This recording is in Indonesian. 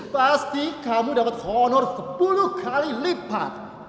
pasti kamu dapat honor sepuluh kali lipat